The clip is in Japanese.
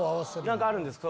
何かあるんですか？